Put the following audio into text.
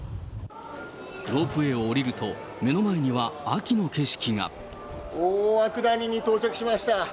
ロープウエーを降りると、大涌谷に到着しました。